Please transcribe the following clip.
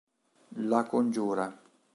La congiura